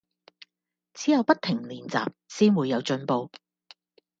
只有不停練習先會有進步